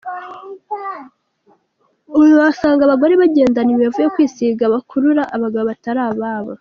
Uzasanga abagore bagendana imibavu yo kwisiga bakurura n’abagabo batari ababo.